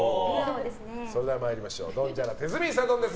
それでは参りましょうドンジャラ手積みサドンデス。